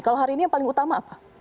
kalau hari ini yang paling utama apa